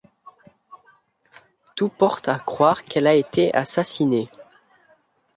Tout porte à croire qu'elle a été assassinée.